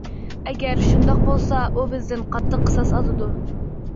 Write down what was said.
ئەگەر شۇنداق بولسا، ئۇ بىزدىن قاتتىق قىساس ئالىدۇ.